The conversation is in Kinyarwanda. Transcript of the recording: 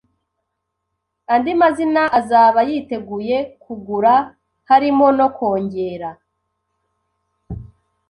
andi mazina azaba yiteguye kugura harimo no kongera